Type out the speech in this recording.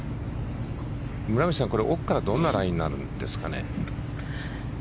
村口さん、これ奥からどんなラインになるんですかね？